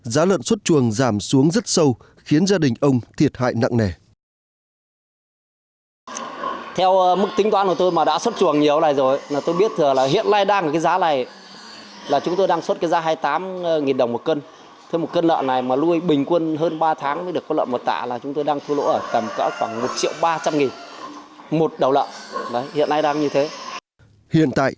giá lợn xuất chuồng giảm xuống rất sâu khiến gia đình ông thiệt hại nặng nề